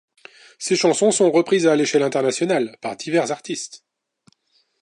Ses chansons sont reprises à l'échelle internationale par divers artistes.